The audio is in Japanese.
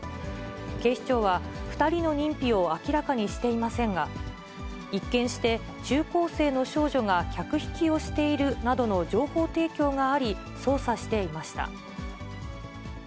警視庁は、２人の認否を明らかにしていませんが、一見して中高生の少女が客引きをしているなどと情報提供があり、捜査していました。